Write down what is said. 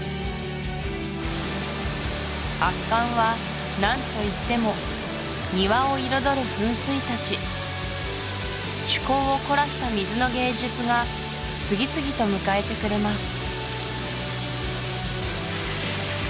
圧巻は何といっても庭を彩る噴水たち趣向を凝らした水の芸術が次々と迎えてくれます